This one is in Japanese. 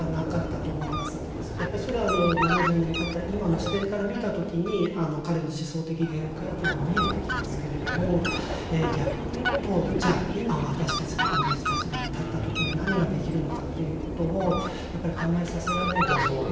やっぱりそれは７０年たった今の視点から見た時に彼の思想的限界っていうのは見えてきますけれども逆に言うとじゃあ今私たちが同じ立場に立った時に何ができるのかっていうことをやっぱり考えさせられる。